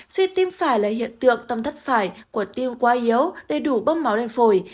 suy tim phải là hiện tượng tâm thất phải của tim quá yếu đầy đủ bơm máu lên phổi